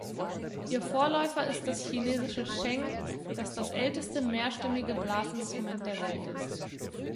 Ihr Vorläufer ist das chinesische "sheng", das das älteste mehrstimmige Blasinstrument der Welt ist.